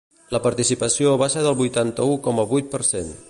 La participació va ser del vuitanta-u coma vuit per cent.